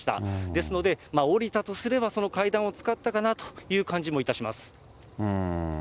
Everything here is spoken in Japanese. ですので、下りたとすれば、その階段を使ったかなという感じもいたします。